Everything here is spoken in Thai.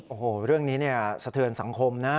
โอ้โหเรื่องนี้เนี่ยสะเทือนสังคมนะ